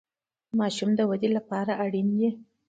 د ماشومانو د ودې لپاره اړین دي.